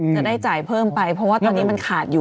จะได้จ่ายเพิ่มไปเพราะว่าตอนนี้มันขาดอยู่